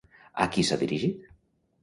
A qui s'ha dirigit?